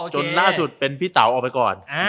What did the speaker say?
จนล่าสุดเป็นพี่เต๋าออกไปก่อน